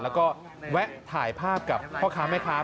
แล้วก็แวะถ่ายภาพกับพ่อค้าแม่ค้า